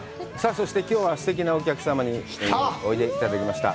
そして、きょうは、すてきなお客様においでいただきました。